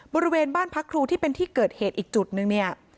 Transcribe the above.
บริเวณบ้านพักครูที่เป็นที่เกิดเหตุอีกจุดนึงเนี่ย